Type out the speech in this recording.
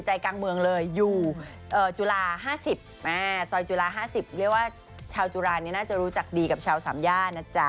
จุฬา๕๐ชาวจุรานนี้น่าจะรู้ชักดีกับชาวสามย่านนะจ๊ะ